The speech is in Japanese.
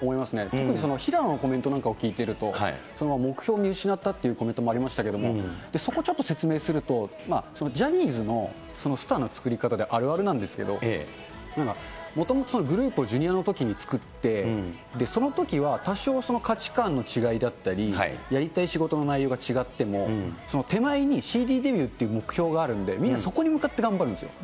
特に平野のコメントなんかを聞いてると、目標を見失ったというコメントもありましたけれども、そこちょっと説明すると、ジャニーズのスターの作り方であるあるなんですけれども、もともとグループをＪｒ．のときに作って、そのときは多少、その価値観の違いだったり、やりたい仕事の内容が違っても、手前にＣＤデビューという目標があるんで、みんなそこに向かって頑張るんですよ。